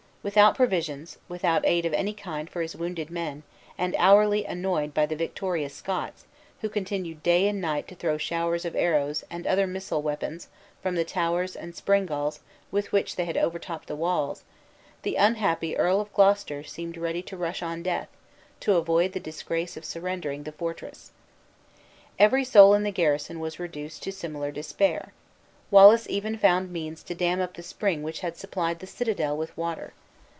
Without provisions, without aid of any kind for his wounded men, and hourly annoyed by the victorious Scots, who continued day and night to throw showers of arrows, and other missile weapons, from the towers and springalls with which they had overtopped the walls, the unhappy Earl of Gloucester seemed ready to rush on death, to avoid the disgrace of surrendering the fortress. Every soul in the garrison was reduced to similar despair. Wallace even found means to dam up the spring which had supplied the citadel with water.